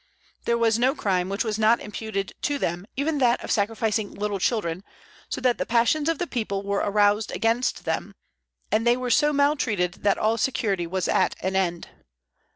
There was no crime which was not imputed to them, even that of sacrificing little children; so that the passions of the people were aroused against them, and they were so maltreated that all security was at an end.